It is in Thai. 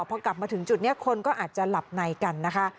พอกลับมาถึงจุดนี้คนก็อาจจะหลับในกันนะคะ